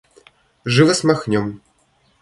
Живо смахнем!